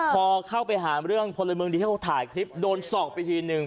พอเข้าไปหาเรื่องพลเมืองดีที่เขาถ่ายคลิปโดนสอกไปทีนึง